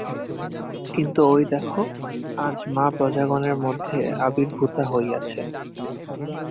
কিন্তু ঐ দেখ, আজ মা প্রজাগণের মধ্যে আবির্ভূতা হইয়াছেন।